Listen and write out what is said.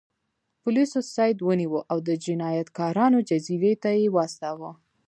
پولیسو سید ونیو او د جنایتکارانو جزیرې ته یې واستاوه.